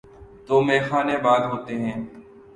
تو میخانے آباد ہوتے ہیں۔